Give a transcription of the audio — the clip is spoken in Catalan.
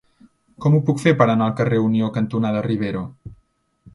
Com ho puc fer per anar al carrer Unió cantonada Rivero?